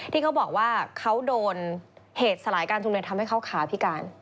ที่เขาบอกว่าเขาโดนเหตุสลายการชุมนุมทำให้เขาขาพิการ